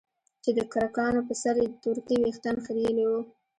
چې دکرکانو په سر يې د تورکي وريښتان خرييلي وو.